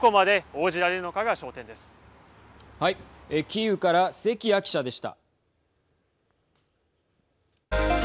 キーウから関谷記者でした。